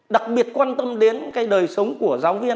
đặc biệt quan tâm đến cái đời sống của giáo viên